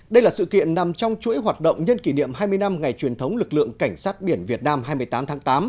đây là sự kiện nằm trong chuỗi hoạt động nhân kỷ niệm hai mươi năm ngày truyền thống lực lượng cảnh sát biển việt nam hai mươi tám tháng tám